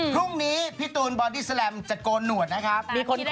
พรุ่งนี้พี่ตูนบอดี้แลมจะโกนหนวดนะครับ